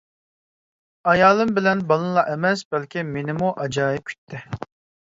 ئايالىم بىلەن بالىنىلا ئەمەس، بەلكى مېنىمۇ ئاجايىپ كۈتتى.